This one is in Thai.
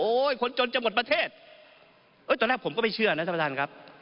โอ้ยคนจนจะหมดประเทศตอนแรกผมก็ไม่เชื่อนะสำหรับท่านครับ